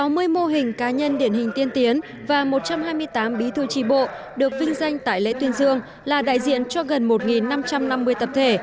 sáu mươi mô hình cá nhân điển hình tiên tiến và một trăm hai mươi tám bí thư tri bộ được vinh danh tại lễ tuyên dương là đại diện cho gần một năm trăm năm mươi tập thể